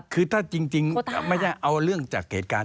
คือถ้าจริงว่านะ